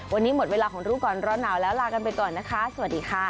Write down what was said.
วันนี้หมดเวลาของรู้ก่อนร้อนหนาวแล้วลากันไปก่อนนะคะสวัสดีค่ะ